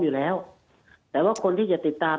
อยู่แล้วแต่ว่าคนที่จะติดตาม